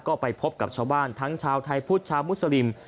ก็ไปพบกับชาวบ้านทั้งชาวไทยพุทธชาวมุสลิม